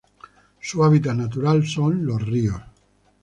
Su hábitat natural son los ríos.